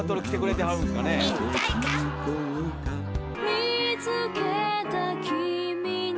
「見つけた君に」